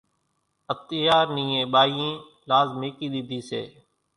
اتيار نيئين ٻايئين لاز ميڪِي ۮيڌِي سي۔